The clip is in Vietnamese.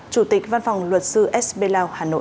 chủ tịch văn phòng luật sư sb lao hà nội